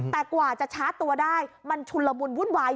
แต่กว่าจะชาร์จตัวได้มันชุนละมุนวุ่นวาย